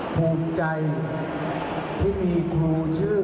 ภูมิใจที่มีครูชื่อ